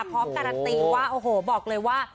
พร้อมการันตีว่าโอ้โหบอกเลยว่า